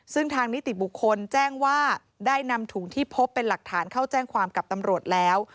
ซึ่งทางนิติบุคคลแจ้งว่าได้นำถุงที่พบเป็นหลักฐานเข้าแจ้งความกับตำรวจแล้ว